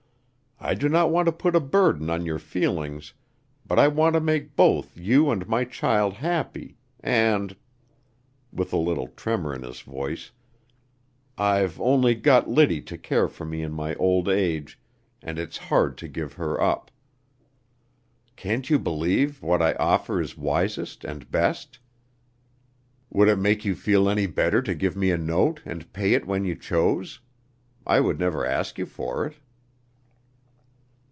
I do not want to put a burden on your feelings, but I want to make both you and my child happy, and" with a little tremor in his voice "I've only got Liddy to care for me in my old age, and it's hard to give her up. Can't you believe what I offer is wisest and best? Would it make you feel any better to give me a note and pay it when you chose? I would never ask you for it."